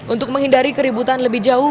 untuk menghindari keributan lebih jauh